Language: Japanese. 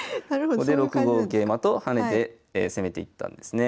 ここで６五桂馬と跳ねて攻めていったんですね。